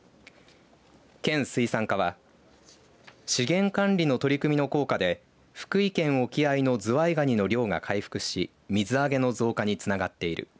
県水産課は資源管理の取り組みの効果で福井県沖合いのズワイガニの漁が回復し水揚げの増加につながっている。